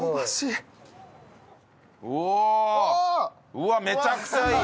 うわっめちゃくちゃいい！